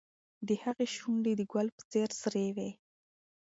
د هغې شونډې د ګل په څېر سرې وې.